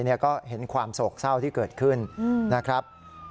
นี่ก็เห็นความโศกเศร้าที่เกิดขึ้นนะครับ